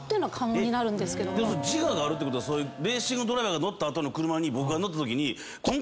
自我があるってことはレーシングドライバーが乗った後の車に僕が乗ったときに。